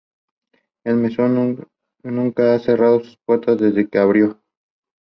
India are defending champions.